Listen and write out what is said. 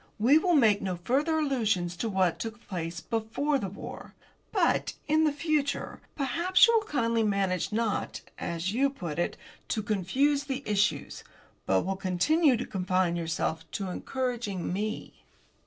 We will make no further allusions to what took place before the war. But, in the future, perhaps you will kindly manage not, as you put it, to confuse the issues, but will continue to confine yourself to encouraging me."